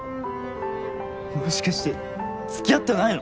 もしかして付き合ってないの？